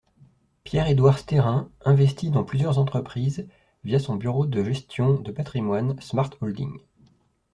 Pierre-Édouard Stérin investit dans plusieurs entreprises via son bureau de gestion de patrimoine Smartholding.